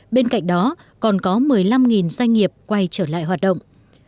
bên cạnh đó còn có một mươi năm doanh nghiệp quay trở lại hoạt động